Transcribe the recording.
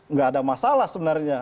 nggak ada masalah sebenarnya